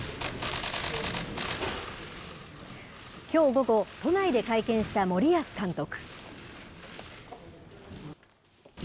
きょう午後、都内で会見した森保監督。